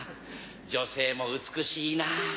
女性も美しいなぁ。